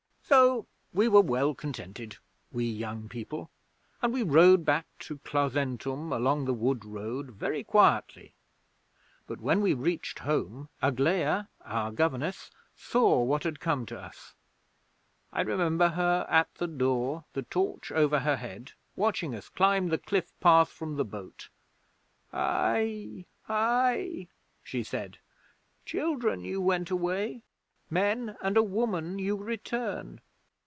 'So we were well contented we young people and we rode back to Clausentum along the Wood Road very quietly. But when we reached home, Aglaia, our governess, saw what had come to us. I remember her at the door, the torch over her head, watching us climb the cliff path from the boat. "Aie! Aie!" she said. "Children you went away. Men and a woman you return!"